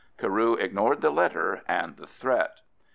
Carew ignored the letter and the threat.